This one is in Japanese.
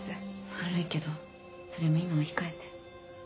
悪いけどそれも今は控えて。